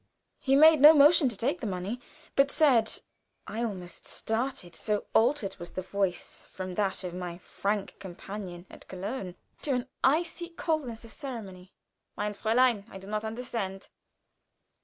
He made no motion to take the money, but said I almost started, so altered was the voice from that of my frank companion at Köln, to an icy coldness of ceremony: "Mein Fräulein, I do not understand."